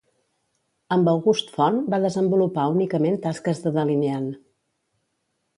Amb August Font va desenvolupar únicament tasques de delineant.